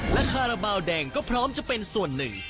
และคาราบาลแดงก็พร้อมจะเป็นส่วนหนึ่ง